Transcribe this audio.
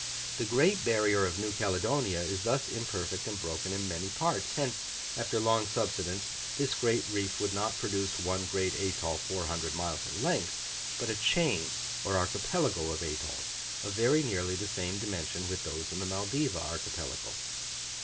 The great barrier of New Caledonia is thus imperfect and broken in many parts; hence, after long subsidence, this great reef would not produce one great atoll 400 miles in length, but a chain or archipelago of atolls, of very nearly the same dimension with those in the Maldiva archipelago.